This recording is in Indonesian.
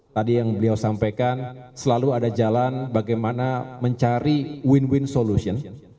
tadi yang beliau sampaikan selalu ada jalan bagaimana mencari win win solution